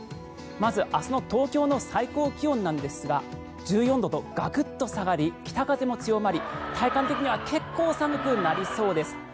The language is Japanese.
まず明日の東京の最高気温なんですが１４度とガクッと下がり北風も強まり体感的には結構寒くなりそうです。